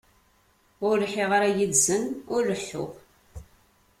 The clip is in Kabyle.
Ur lḥiɣ ara yid-sen ur leḥḥuɣ.